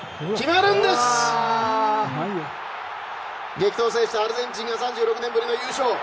激闘を制したアルゼンチンが３６年ぶりの優勝。